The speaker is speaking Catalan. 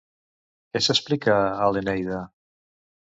Què s'explica a l'Eneida?